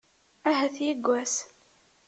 Ahat yewwas.